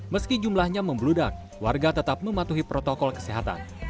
mematuhi protokol kesehatan